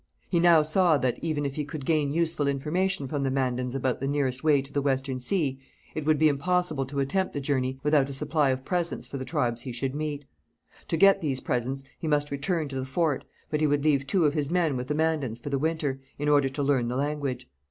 He now saw that, even if he could gain useful information from the Mandans about the nearest way to the Western Sea, it would be impossible to attempt the journey without a supply of presents for the tribes he should meet. To get these presents he must return to the fort, but he would leave two of his men with the Mandans for the winter, in order to learn the language.